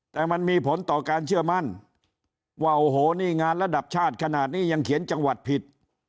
แต่มันมีผลต่อการเชื่อมั่นว่าโอ้โหนี่งานระดับชาติขนาดนี้ยังเขียนจังหวัดผิด